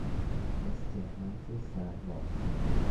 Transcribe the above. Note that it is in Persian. استهلاک سرراست